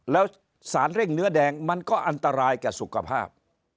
แล้วสารเร่งเนื้อแดงมันก็อันตรายแก่สุขภาพ